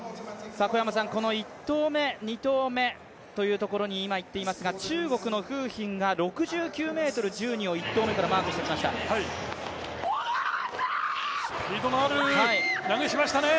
この１投目、２投目というところに今、入っていますが中国の馮彬が６９ｍ１０を１投目からマークしてきましたね。